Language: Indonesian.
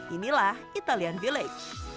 inilah italian village